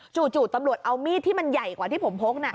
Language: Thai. จู่ตำรวจเอามีดที่มันใหญ่กว่าที่ผมพก